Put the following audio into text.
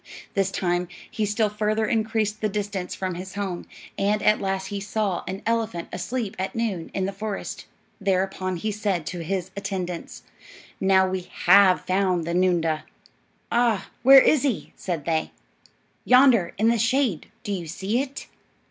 This time he still further increased the distance from his home, and at last he saw an elephant asleep at noon in the forest. Thereupon he said to his attendants, "Now we have found the noondah." "Ah, where is he?" said they. "Yonder, in the shade. Do you see it?"